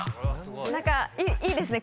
何かいいですね。